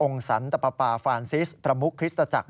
สันตปาฟานซิสประมุกคริสตจักร